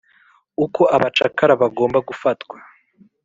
Uko abacakara bagomba gufatwa